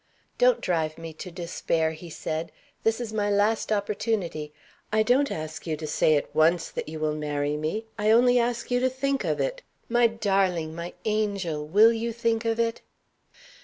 "Don't drive me to despair!" he said. "This is my last opportunity. I don't ask you to say at once that you will marry me, I only ask you to think of it. My darling! my angel! will you think of it?"